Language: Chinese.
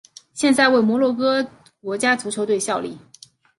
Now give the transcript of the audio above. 现在为摩洛哥国家足球队效力。